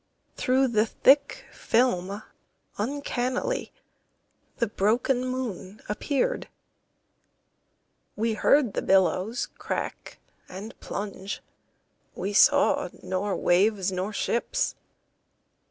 Through the thick film uncannily The broken moon appeared. We heard the billows crack and plunge, We saw nor waves nor ships.